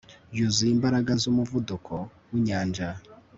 yuzuye imbaraga zumuvuduko winyanja